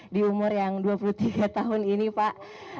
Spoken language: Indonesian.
di umur yang dua puluh tiga tahun ini pak